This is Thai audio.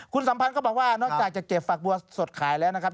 คุณสัมพันธ์ก็บอกว่านอกจากจะเก็บฝักบัวสดขายแล้วนะครับ